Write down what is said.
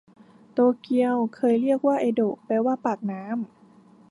โตเกียวเคยเรียกว่าเอโดะแปลว่าปากน้ำ